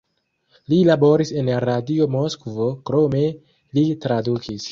Li laboris en Radio Moskvo, krome li tradukis.